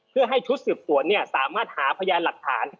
เพื่อให้ชุดสืบสวนสามารถหาพยานหลักฐาน